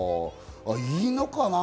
いいのかな？